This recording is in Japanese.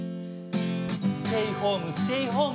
「ステイホームステイホーム。